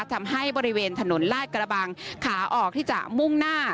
ทำให้บริเวณถนนลาดกระบังขาออกที่จะมุ่งหน้า